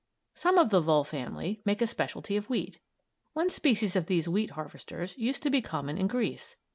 Some of the Vole family make a specialty of wheat. One species of these wheat harvesters used to be common in Greece.